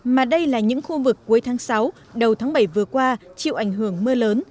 mà đây là những khu vực cuối tháng sáu đầu tháng bảy vừa qua chịu ảnh hưởng mưa lớn